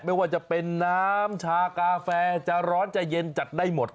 ไม่ว่าจะเป็นน้ำชากาแฟจะร้อนจะเย็นจัดได้หมด